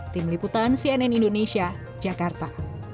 tim liputan cnn indonesia jakarta